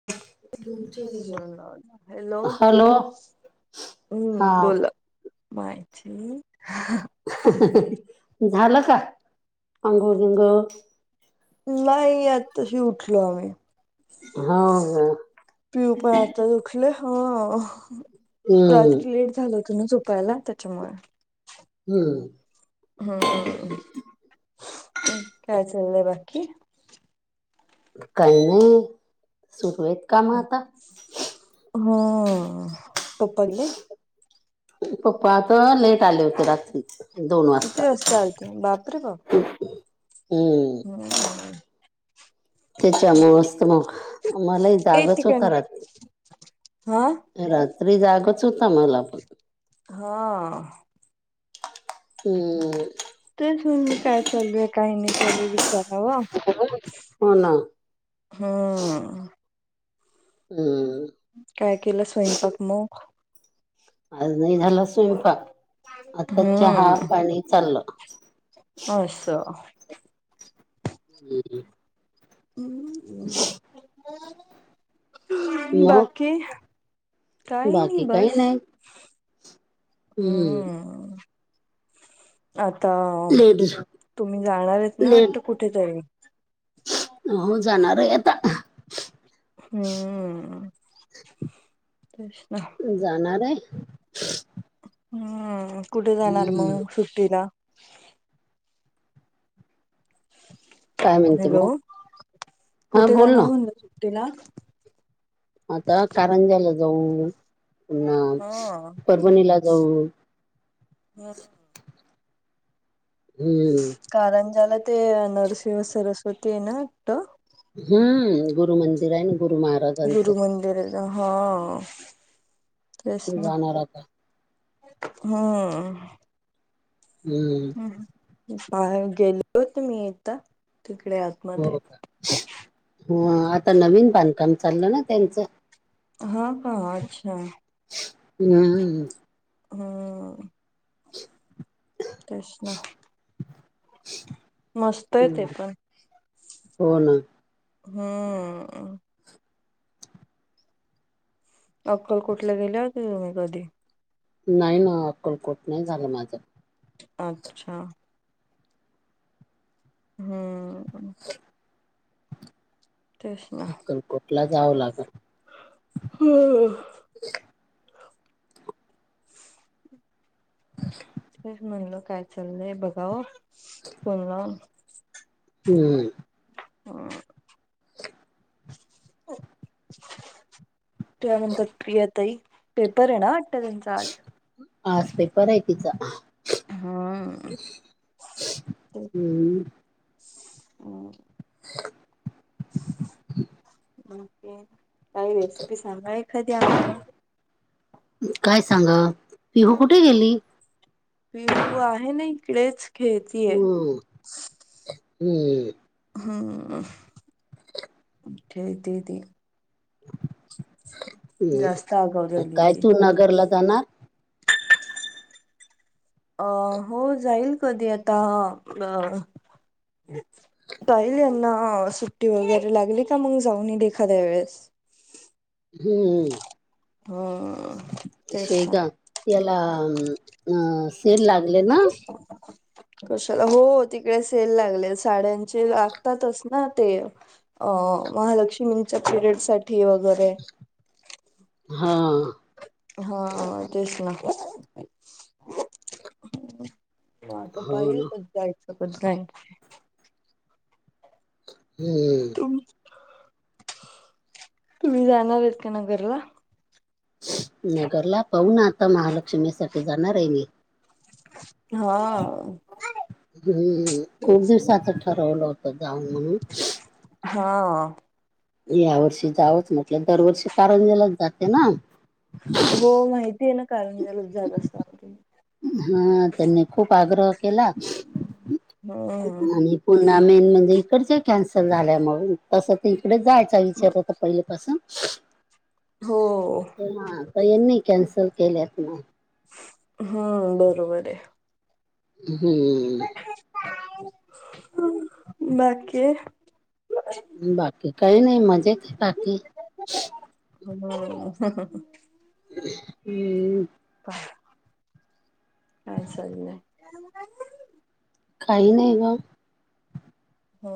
[unintelligible] Hello! हा हम्म बोला. [unintelligible] झालं का अंघोळ बिंगोळ? नाही आताशी उठलो आम्ही. हा, हो. पिऊ पण आता उठले हा, हम्म रात्री लेट झाल. [unintelligible] झोपायला त्याच्यामुळे. हम्म. मग, काय चलले बाकी? काही नाही, सुरू आहेते कामं आता. हा [unintelligible] पप्पा आग लेट आले होते रात्री, दोन किती वाजता. आलते बापरे बाप, हम्म हम्म. त्याच्यामुळेच तर मग मलाही ए जागच तिकडे होता नको रात्री. [inaudible] रात्री जागच होता मला पण. हा. हमम्. तेच म्हणलं काय चालूय काही नाही चालू विचारावा. हो ना हम्म. हम्. काय केलं स्वयंपाक मग? आजुन नाही झाला स्वयंपाक आता हम्म चहा पाणी चाललं. असं. [unintelligible] हम् हम्. मग बाकी? काही नाही बाकी काही बस. नाही हम्म. आता लेट तुम्ही जाणार आहेत ना लेट वाटत कुठेेतरी? हो जाणार आहे आता. हम्म तेच ना. जाणारय. हम्म कुठे जाणार हम्म. मग सुट्टीला? काय म्हणते हॅलो मग हा कुठे बोल ना जाणार म्हणल सुट्टीला? आता कारंजाला जाऊ हा परभणीला जाऊ. [inaudible] हम्म कारंजाला ते नरसिंह सरस्वती आहे ना वाटत. हम्म गुरु मंदिर आहेना गुरु महा गुरु मंदिर हां. तेच ना जाणार आता हम्म. हम्म बाहेर गेलो होत मी एकदा तिकडे आ. हो का हो आता नवीन बांधकाम चाललं ना त्यांच? हा का हा अच्छा. हम् हम्म कृष्णा [inaudible] मस्तय ते हम्म. पण. हो ना हम्म अक्कलकोटला गेल्या होत्या का तुम्ही कधी? नाही ना अक्कलकोट नाही झालं माझ. अच्छा हम्म [inaudible] तेच ना अक्कलकोटला जावं लागलं. हां ते म्हणल काय चाललय बघाव फोन लावून. हम्म हम्म [inaudible] त्यानंतर प्रियाताई पेपर आहे ना त्यांचा आज. आज पेपर आहे तिचा. हम्म तेच. हम्म हम्म [inaudible] ओके काही रेसिपी सांगा एखादी आम्हाला. काय सांगा. पिहू कुठे गेली? पीहु आहे ना इकडेच. खेळतीय हो हम्म हम्म खेळतीये ती. जास्त आगाव हम्म झाली काय ती तू नगरला जाणार. अ हो जाईल कधी आता अ जाईल यांना सुट्टी वगैरे लागली का मग जाऊन एखाद्या वेळेस. हम्म हम्म तेच ना. शेगाव याला सेल लागले ना. कशाला हो तिकडे सेल लागले साड्यांचे लागतातच ना ते. अ महालक्ष्मींच्या पिरेयड साठी वगैरे. हां हा तेच ना तेच. हा तो हो पाहिलच ना कधी जायचं कधी नाही. हम्म तुम्ही जाणार आहेत का नगरला? नगरला पाहूना आता महालक्ष्मीसाठी जाणार आहे मी. [inaudible] हम्म खूप तेच दिवसाच ठरवलं होतं जाऊ म्हणून. हां या वर्षी जावंच म्हटलं दरवर्षी कारंजीलाच जाते ना. हो माहितीय ना कारंजाला जात असता. हा त्यांनी खूप आग्रह केला हम्म आणि पुन्हा मेन म्हणजे इकडच कॅन्सल झाल्यामुळे तसं तर इकडे जायचा विचार हो होता पहिले. तस हां त्यांनी कॅन्सल केले असणार हम्म बरोबर आहे. हम्म बाकी बाकी काही नाही मजेतय बाकी. [inaudible] हम्म [inaudible] काय चालय? काही नाही ग. ह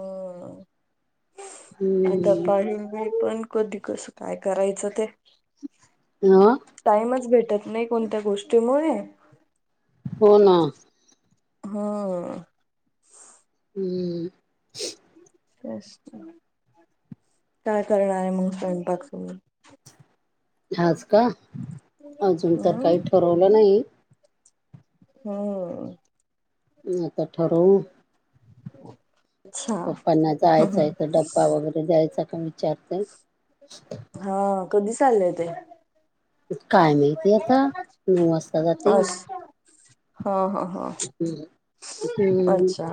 आता हम्म पाहीन मी पण. कधी कस काय करायचं ते. हां टाईमच भेटत नाही कोणत्या गोष्टीमुळे. हो ना हां हम्म काय करणार आहे मग स्वयंपाक? आज का अजून तर हम्म काही ठरवलं नाही. हम्म आता ठरवू. [inaudible] पप्पांना जायचय तर डब्बा वेगैरे द्यायचा का विचारते. हा कधी चालले ते? काय माहिती आता नऊ वाजता जातील. हो हो हो हम्म अच्छा.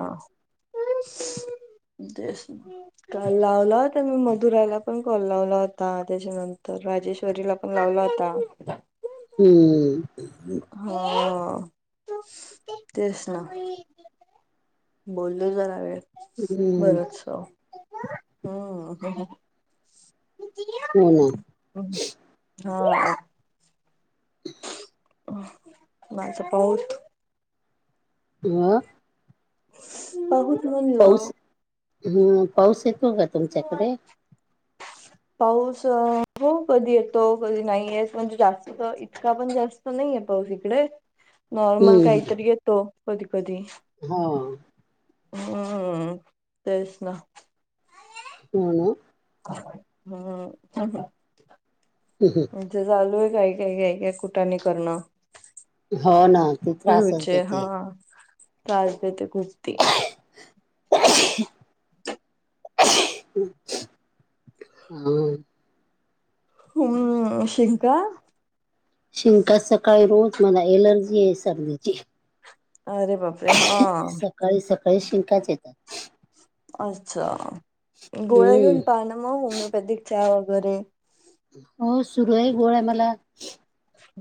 तेच. काल लावला होता मी मधुराला पण कॉल लावला होता त्याच्यानंतर राजेश्वरीला पण लावला होता. हम्म हां तेच ना. बोललो जरा वेळ हम्म बरचस हम्म [unintelligible] हो ना. हां [inaudible] माझ पाऊच म‌ पाहुत म्हणलं. हम्म पाऊस येतो का? तुमच्याकडे [unintelligible] [inaudible] पाऊस हो कधी येतो कधी नाही म्हणजे जास्त इतका पण जास्त नाहीये पाऊस इकडे. [inaudible] नॉर्मल काहीतरी येतो. कधी कधी. हा. हम्म तेच ना. हम्म हम [unintelligible] म्हणजे चालू आहेय काय काय काय काय कुटाने करण. हो ना. ते त्रासच पिहुचे हा देते त्रास देते खूप ती. हां हम्म शिंका. शिंका सकाळी रोज मला एलर्जी आहे सर्दीची. अरे बापरे हा. सकाळी सकाळी शिंकाच येतात. अच्छा गोळ्या हम्म घेऊन पाहाना मग होमिओपॅथिकचा वगैरे. हो. सुरू आहे गोळ्या मला.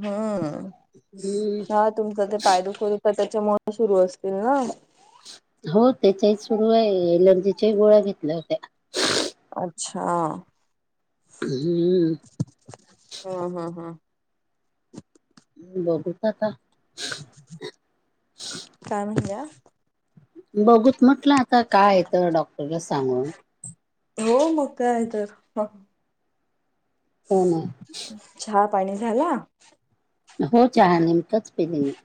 हम्म हम्म हा तुमचा ते पायदुख आता त्याच्यामुळे सुरू असतील ना. हो त्याच्याही सुरू आहे एलर्जीच्या ही गोळ्या घेतल्या होत्या. अच्छा हम्म हा हा हा. बघूत आता. काय म्हणल्या? बघूत म्हटल आता काय आहे तर डॉक्टरला सांगून. हो मग काय तर हो ना. चहा पाणी झाला. हो चहा नेमकंच पिले मी.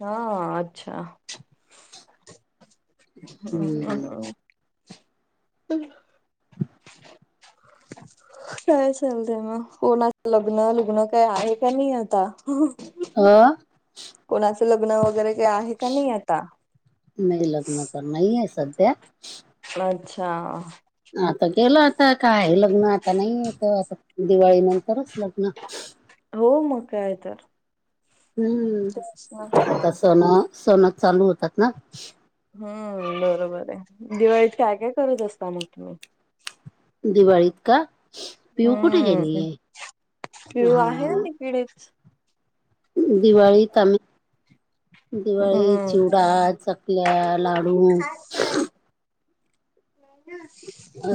हा अच्छा. हम्म [unintelligible] [inaudible] [inaudible] काय चाललय मग कोणाचा लग्न लूग्न काय आहे का नाही आता. आं कोणाचं लग्न वगैरे के आहे का नाही आता? नाही लग्न तर नाहीय सध्या. अच्छा. आता गेलं आता काय आहे लग्न आता नाहीयेत आता दिवाळी नंतरच लग्न हो मग काय तर. तेच ना. हम्म आता सणं सणं चालू होतात ना. हम्म बरोबर आहे दिवाळीत काय काय करत असता मग तुम्ही? दिवाळीत का पिऊ कुठे गेलीय? पिहु आहे ना ती पिडीच. दिवाळीत आम्ही दिवाळीत हम्म. चिवडा, चकल्या, लाडू [unintelligible]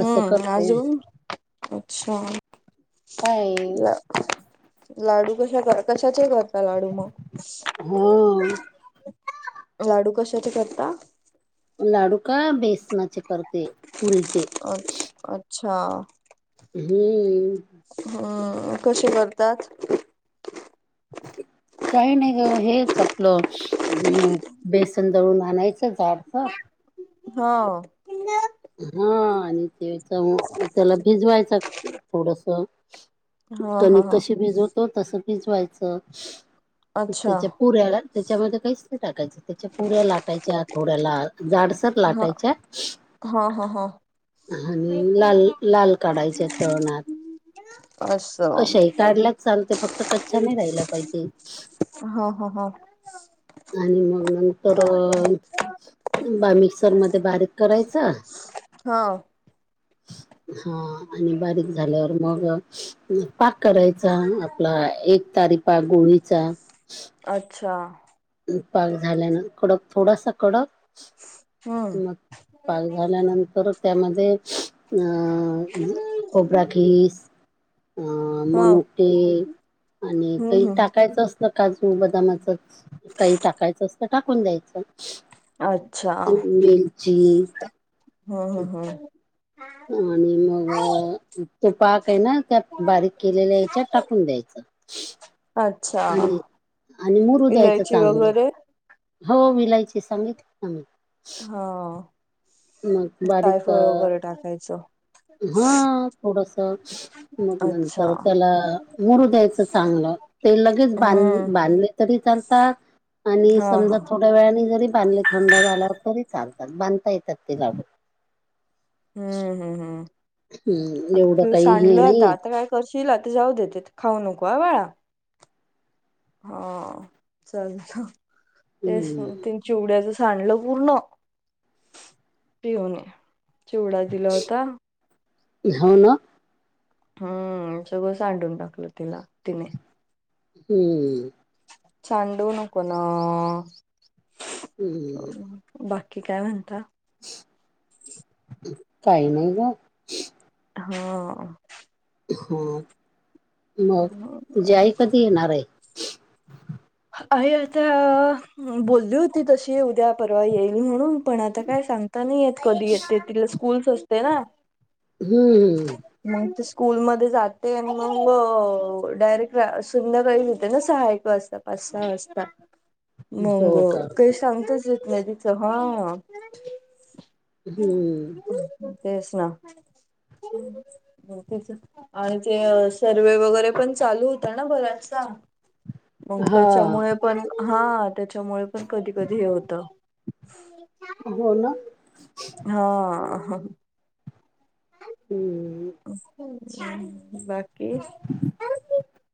असं करते आजून अच्छा. काय ला लाडू कशा कर कशाचे करता लाडू म? हां. लाडू कशाचे करता? लाडू का बेसनाचे करत. अ अच्छा. हम्म. हम्म कशी करतात. [unintelligible] काही नाही गं हेच आपलं अ बेसन दळून आणायचं जाडसर हां. हा आणि तेच म त्याला भिजवायचा थोडसा. हा हा कणिक हा. कशी भिजवतो तसं भिजवायचं अच्छा. त्याच्या पुऱ्याला त्याच्यामध्ये काहीच नाही टाकायचं त्याच्या पुऱ्या लाटायच्या थोड्याला जाडसर हा लाटायच्या. हा हा हा. आणि लाल लाल काढायच्या तळणात. अश कशा ही काढलाच चालते फक्त कच्चा नाही राहिला पाहिजे. हा हा हा. आणि मग नंतर बा मिक्सरमध्ये बारीक करायचं. हाव. हा आणि बारीक झाल्यावर मग पाक करायचा आपला एक तारी पाक गुळीचा. अच्छा पाक झाल्यान कडक थोडासा कडक हां मग पाक झाल्यानंतर त्यामध्ये अ खोबरा खीस अं हा मनुके आणि हम्म काही हम्म टाकायचं असल काजू बदामाचच काही टाकायचं असत टाकून द्यायचं अच्छा वेलची. हा हा हं आणि मग ते पाक आहे ना त्यात बारीक केलेल्या याच्यात टाकून द्यायचा. अच्छा मुरू द्यायचं इलायची चांगलं वगैरे. हो ईलायची सांगितली ना मी. हा मग बारीक टाकायच. हा थोडस मग अच्छा नंतर त्याला मुरू द्यायच चांगल. ते लगेच बांध हम्म बांधले तरी चालतात आणि हा हा समजा थोड्या वेळाने जरी बांधले. थंड झाल्यावर तरी चालतात बांधता येतात ते लाडू. हम्म, हम्, हम्, हम्म आता एवढं तू काही हे सांडल नाही आता, आहे. आता काय फरशिला, ते जाऊदेत, खाऊ नको हं बाळा. हा, चालतं, तेच हम्म ना, चिवड्याच सांडल पूर्ण. पिऊ नी, चिवडा दिला होता. हो ना. हम्म, सगळं सांडून टाकलं तिला, तिने. हम्म, सांडू नको न हम् बाकी काय म्हणता? काही नाही ग. हां हां मग आई तुझी आई कधी येणार आहे? आई आता बोलली होती तशी उद्या परवा येईल म्हणून. पण आता काय सांगता नाही कधी य तिला स्कूलस असते ना. हम्म. मग ती स्कूलमध्ये जाते, आणि मग डायरेक्ट संध्याकाळी सहा एक वाजता, पाच सहा वाजता, मंग हो का काहीच सांगताच येत नाही तिचं, हा. हम्म, तेच ना. तेच, आणि ते सर्वे वगैरे पण चालू होता ना बराचसा. मग हा त्याच्यामुळे पण हा, त्याच्यामुळे पण कधी कधी हे होतं. हो ना. हा हा. हम्म, बाकी? [inaudible]